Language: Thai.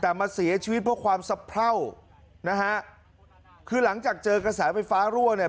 แต่มาเสียชีวิตเพราะความสะเพรานะฮะคือหลังจากเจอกระแสไฟฟ้ารั่วเนี่ย